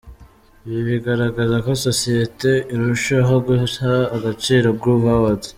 Ibi bigaragaza ko sosiyete irushaho guha agaciro Groove Awards.